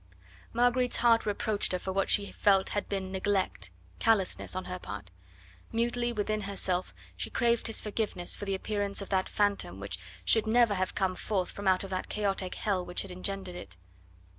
Marguerite's heart reproached her for what she felt had been neglect, callousness on her part. Mutely, within herself, she craved his forgiveness for the appearance of that phantom which should never have come forth from out that chaotic hell which had engendered it.